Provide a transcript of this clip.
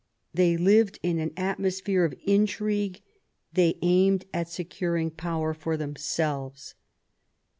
They lived in an atmosphere of intrigue ; they aimed at securing power for themselves.